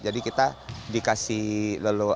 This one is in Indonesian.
jadi kita dikasih leluhur